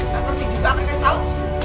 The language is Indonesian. ga ngerti juga ga kesal